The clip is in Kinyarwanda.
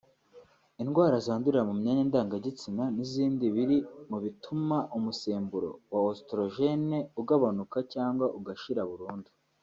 indwara zandurira mu myanya ndangagitsina n’izindi biri mu bituma umusemburo wa Ostrogene ugabanuka cyangwa ugashira burundu